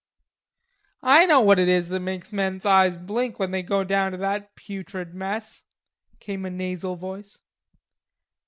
"I know what it is that makes men's eyes blink when they go down to that putrid mess," came a nasal voice.